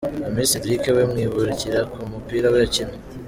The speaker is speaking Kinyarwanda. Amiss Cedric we mwibukira ku mupira we akina.